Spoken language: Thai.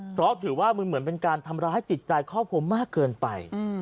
เพราะถือว่ามันเหมือนเป็นการทำร้ายจิตใจครอบครัวมากเกินไป